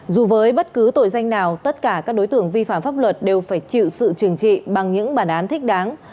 dù với bất cứ tội danh nào tất cả các đối tượng vi phạm pháp luật đều phải chịu sự trừng trị bằng những bản án thích đáng